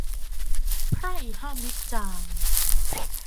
ไพร่ห้ามวิจารณ์ !